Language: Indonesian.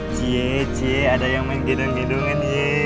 cie cie ada yang main gedung gedungan